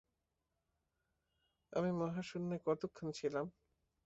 আমি মহাশূন্যে কতক্ষণ ছিলাম?